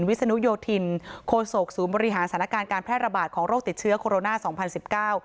วิศนุโยธินโคศกศูนย์บริหารสถานการณ์การแพร่ระบาดของโรคติดเชื้อโคโรนาสองพันสิบเก้า